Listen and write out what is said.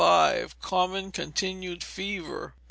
Common Continued Fever.